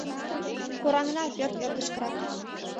— Кораҥына пырт ӧрдыжкырак.